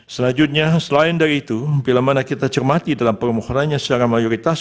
selanjutnya selain dari itu bila mana kita cermati dalam permukaannya secara mayoritas